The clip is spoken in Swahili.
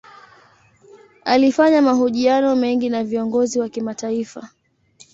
Alifanya mahojiano mengi na viongozi wa kimataifa.